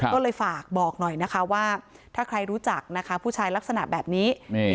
ก็เลยฝากบอกหน่อยนะคะว่าถ้าใครรู้จักนะคะผู้ชายลักษณะแบบนี้